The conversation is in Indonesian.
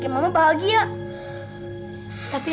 tidak ada dumpiness diteok deuper